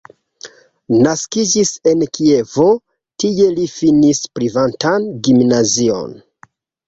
Naskiĝis en Kievo, tie li finis privatan gimnazion.